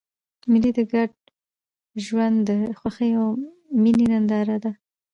مېلې د ګډ ژوند د خوښۍ او میني ننداره ده.